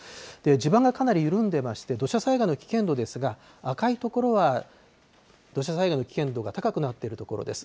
地盤がかなり緩んでまして、土砂災害の危険度ですが、赤い所は、土砂災害の危険度が高くなっている所です。